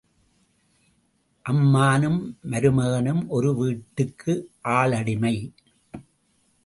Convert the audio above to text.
அம்மானும் மருமகனும் ஒரு வீட்டுக்கு ஆள் அடிமை.